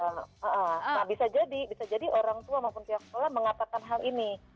nah bisa jadi bisa jadi orang tua maupun pihak sekolah mengatakan hal ini